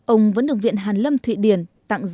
ông vẫn được viện hàn lâm thụy điển tặng giấy